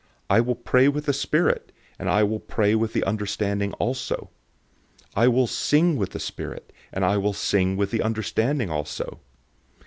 I will pray with the spirit, and I will pray with the understanding also. I will sing with the spirit, and I will sing with the understanding also.